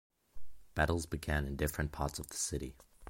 Battles began in different parts of the city.